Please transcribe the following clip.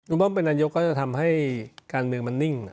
เบิ้มเป็นนายกก็จะทำให้การเมืองมันนิ่ง